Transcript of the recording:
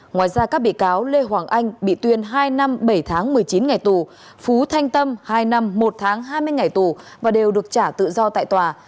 ngoài ra các bị cáo lê hoàng anh bị tuyên hai năm bảy tháng một mươi chín ngày tù phú thanh tâm hai năm một tháng hai mươi ngày tù và đều được trả tự do tại tòa